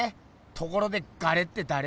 ところでガレってだれ？